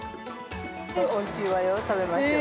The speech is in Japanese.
◆おいしいわよ、食べましょう。